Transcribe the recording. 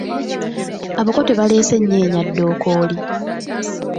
Abako tebaleese nnyeenyaddookooli.